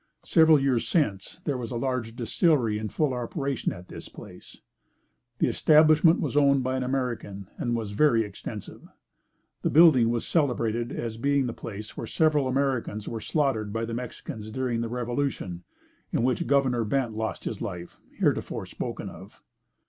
Several years since, there was a large distillery in full operation at this place. This establishment was owned by an American, and was very extensive. The building was celebrated as being the place where several Americans were slaughtered by the Mexicans during the revolution, in which Governor Bent lost his life, heretofore spoken of.